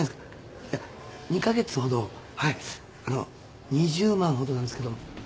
あの２０万ほどなんですけども。